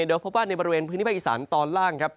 โดยพบว่าในบริเวณพื้นที่ภาคอีสานตอนล่างครับ